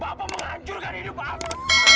bapak menghancurkan hidup aku